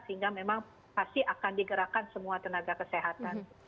sehingga memang pasti akan digerakkan semua tenaga kesehatan